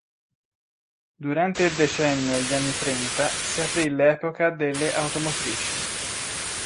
Durante il decennio degli anni trenta si aprì l'epoca delle automotrici.